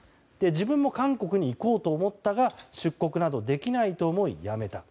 自分も韓国に行こうと思ったが出国などできないと思いやめた。